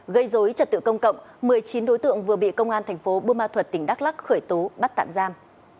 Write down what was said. gây dối trật tự công cộng một mươi chín đối tượng vừa bị công an thành phố bô ma thuật tỉnh đắk lắc khởi tố bắt tạm giam